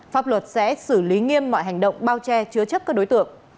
pháp luật sẽ xử lý nghiêm mọi hành động bao che chứa chấp các đối tượng